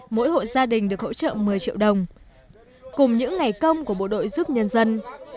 mỗi hộ gia đình được hỗ trợ một mươi triệu đồng cùng những ngày công của bộ đội giúp nhân dân